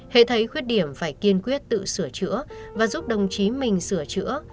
hãy thấy khuyết điểm phải kiên quyết tự sửa chữa và giúp đồng chí mình sửa chữa